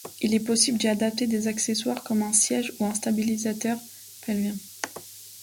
Il est possible d’y adapter des accessoires comme un siège ou un stabilisateur pelvien.